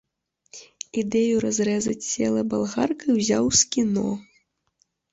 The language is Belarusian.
Ідэю разрэзаць цела балгаркай узяў з кіно.